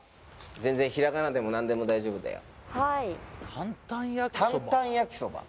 全然ひらがなでも何でも大丈夫だよ